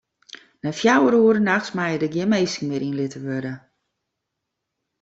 Nei fjouwer oere nachts meie der gjin minsken mear yn litten wurde.